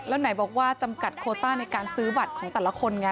แล้วไหนบอกว่าจำกัดโคต้าในการซื้อบัตรของแต่ละคนไง